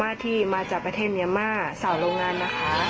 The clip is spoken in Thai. ฟังแล้วเราก็สะเทือนใจเหมือนกันนะฮะ